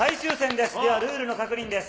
ではルールの確認です。